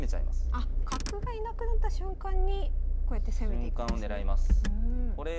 あ角がいなくなった瞬間にこうやって攻めていくんですね。